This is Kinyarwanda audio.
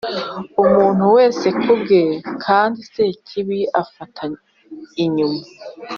umuntu wese kubwe, kandi sekibi afata inyuma